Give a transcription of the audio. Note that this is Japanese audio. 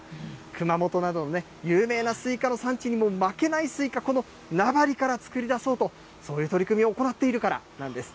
熊本などの有名なスイカの産地にも負けないスイカ、この名張から作りだそうと、そういう取り組みを行っているからなんです。